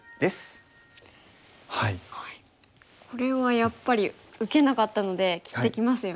これはやっぱり受けなかったので切ってきますよね。